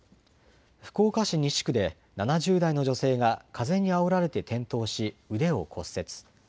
福岡市西区で７０代の女性が風にあおられて転倒し、腕を骨折。